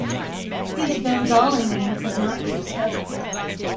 His Bengali name could not be discovered.